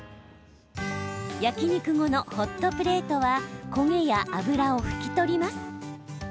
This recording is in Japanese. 焼き肉後のホットプレートは焦げや脂を拭き取ります。